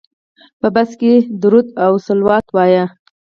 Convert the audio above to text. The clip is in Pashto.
په بس کې درود او صلوات وایه.